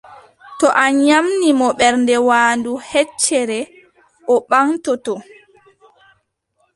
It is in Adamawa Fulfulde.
To a nyaamni mo ɓernde waandu heccere, o ɓaŋtoto.